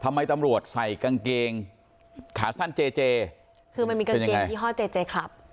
ทำไมตำรวจใส่กางเกงขาสั้นเจเจคือมันมีกางเกงยี่ห้อเจเจคลับ